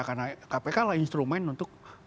karena kpk adalah instrumen untuk